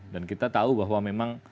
dan kita tahu bahwa memang